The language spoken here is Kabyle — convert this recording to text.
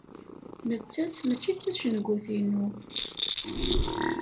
Nettat mačči d tacengut-inu.